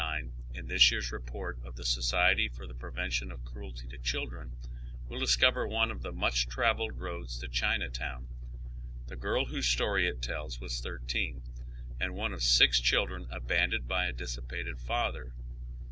39,499 in this year's report of tlie Society for the Prevention of Cruelty to Cliildreri, will discover one of the much travelled roads to Chinatown, The girl whose story it tells was thirteen, and one of six children abandoned by a dissipated father.